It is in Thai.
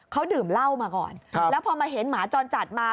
เขาดื่มเหล้ามาก่อนแล้วพอมาเห็นหมาจรจัดมา